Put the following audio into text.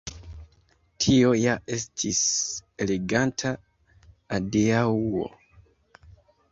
Tio ja estis eleganta adiaŭo.